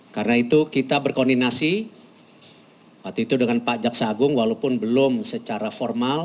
karena itu kita berkoordinasi waktu itu dengan pak jaksa agung walaupun belum secara formal